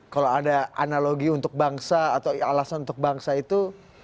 kalau ada analogi untuk bangsa atau alasan untuk bangsa itu